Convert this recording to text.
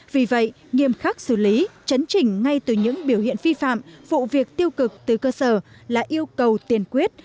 vì vậy nghiêm khắc xử lý chấn chỉnh ngay từ những biểu hiện vi phạm vụ việc tiêu cực từ cơ sở là yêu cầu tiền quyết